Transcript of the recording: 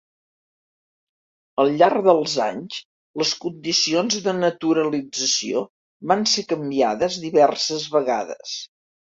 Al llarg dels anys, les condicions de naturalització van ser canviades diverses vegades.